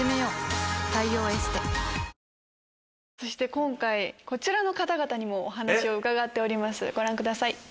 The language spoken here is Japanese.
そして今回こちらの方々にもお話を伺ってますご覧ください。